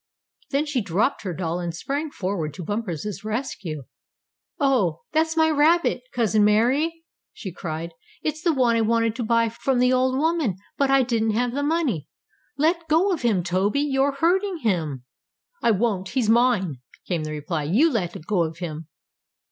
Then she dropped her doll, and sprang forward to Bumper's rescue. "Oh, that's my rabbit, cousin Mary!" she cried. "It's the one I wanted to buy from the old woman, but I didn't have the money. Let go of him, Toby! You're hurting him!" "I won't! He's mine!" came the reply. "You let go of him!"